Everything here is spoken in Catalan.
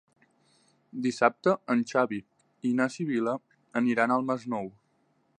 Dissabte en Xavi i na Sibil·la aniran al Masnou.